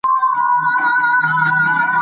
ماشومانو ته روښانه هدف وښیئ.